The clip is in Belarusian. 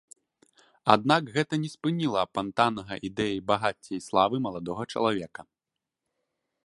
Аднак гэта не спыніла апантанага ідэяй багацця і славы маладога чалавека.